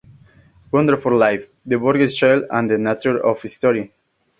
Wonderful Life: The Burgess Shale and the Nature of History.